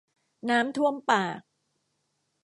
น้ำท่วมปาก